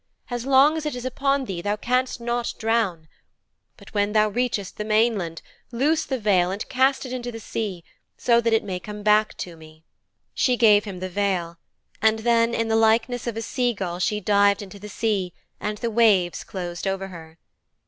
As long as it is upon thee thou canst not drown. But when thou reachest the mainland loose the veil and cast it into the sea so that it may come back to me.' She gave him the veil, and then, in the likeness of a seagull she dived into the sea and the waves closed over her.